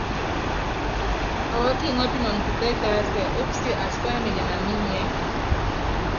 Ɔɔ́ kiŋɔ́pinɔnɔ kutɛ́ tásia ópusíé atipá emenyene aní inyiɛ́.